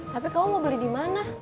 tapi kamu mau beli di mana